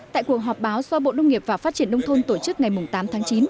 tại cuộc họp báo do bộ đông nghiệp và phát triển đông thôn tổ chức ngày tám tháng chín